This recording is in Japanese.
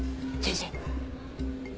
全然。